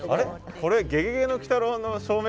これ「ゲゲゲの鬼太郎」の証明